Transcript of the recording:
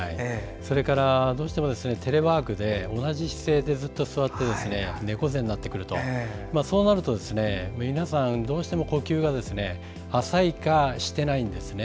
それからどうしてもテレワークで同じ姿勢でずっと座ってると猫背になってくると皆さん、どうしても呼吸が浅いかしていないんです。